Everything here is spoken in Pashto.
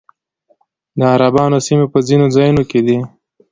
د عربانو سیمې په ځینو ځایونو کې دي